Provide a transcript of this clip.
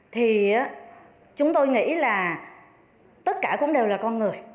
thì chúng tôi nghĩ là tất cả cũng đều là con người